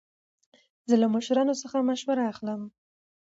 زه له مشرانو څخه مشوره اخلم.